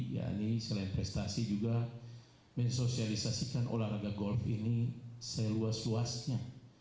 yakni selain prestasi juga mensosialisasikan olahraga golf ini seluas luasnya